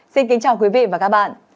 xin kính chào quý vị và các bạn